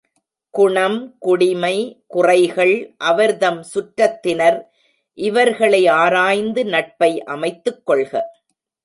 குணம், குடிமை, குறைகள், அவர்தம் சுற்றத்தினர் இவர்களை ஆராய்ந்து நட்பை அமைத்துக்கொள்க.